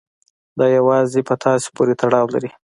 دا يوازې په تاسې پورې تړاو لري.